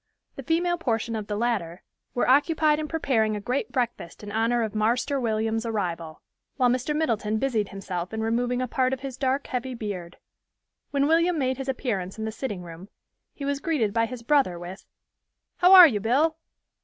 The female portion of the latter were occupied in preparing a great breakfast in honor of "Marster William's" arrival, while Mr. Middleton busied himself in removing a part of his dark, heavy beard. When William made his appearance in the sitting room, he was greeted by his brother with, "How are you, Bill?